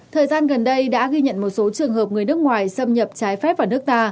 thời gian gần đây đã ghi nhận một số trường hợp người nước ngoài xâm nhập trái phép vào nước ta